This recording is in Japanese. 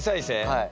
はい。